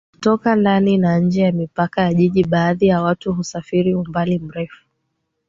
hutoka ndani na nje ya mipaka ya jiji baadhi yake husafiri umbali mrefu